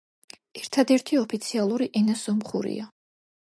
ერთადერთი ოფიციალური ენა სომხურია.